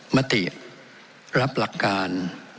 มติรับหลักการ